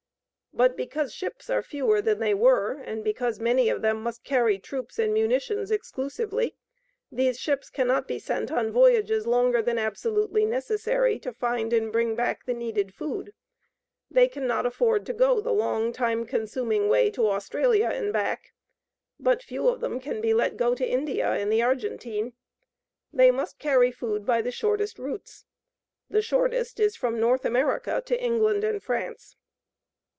But because ships are fewer than they were, and because many of them must carry troops and munitions exclusively, these ships cannot be sent on voyages longer than absolutely necessary to find and bring back the needed food. They cannot afford to go the long time consuming way to Australia and back; but few of them can be let go to India and the Argentine. They must carry food by the shortest routes. The shortest is from North America to England and France.